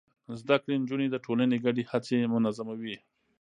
زده کړې نجونې د ټولنې ګډې هڅې منظموي.